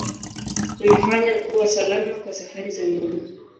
Huifanya kuwa salama kwa safari za miguu